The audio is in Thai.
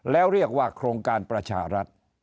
แล้วเรียกว่าโครงการประชารัฐ